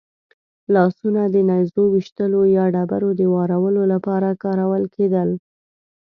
لاسونه د نېزو ویشتلو یا ډبرو د وارولو لپاره کارول کېدل.